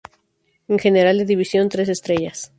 El general de división tres estrellas.